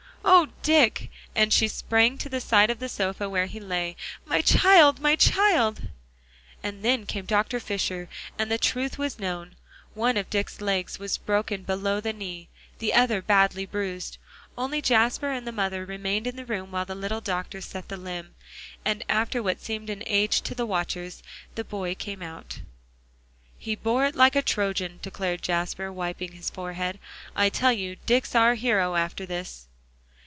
"Oh, Dick!" and she sprang to the side of the sofa where he lay. "My child my child!" And then came Dr. Fisher, and the truth was known. One of Dick's legs was broken below the knee; the other badly bruised. Only Jasper and the mother remained in the room while the little doctor set the limb; and after what seemed an age to the watchers, the boy came out. "He bore it like a Trojan," declared Jasper, wiping his forehead. "I tell you, Dick's our hero, after this."